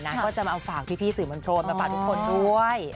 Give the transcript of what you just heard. นายก็จะมาฝากพี่สื่อมันโชนมาปากทุกคนด้วย